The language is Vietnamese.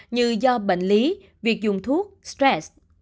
như do bệnh lý việc dùng thuốc stress